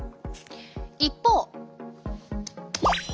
一方！